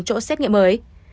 chỗ xét nghiệm mới